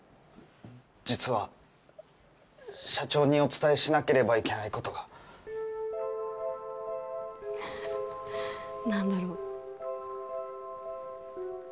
実は社長にお伝えしなければいけないことが何？